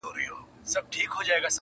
دى بېواكه وو كاڼه يې وه غوږونه،